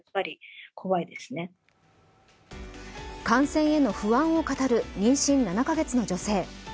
感染への不安を語る妊娠７カ月の女性。